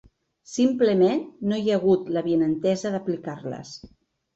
Simplement, no hi ha hagut l’avinentesa d’aplicar-les.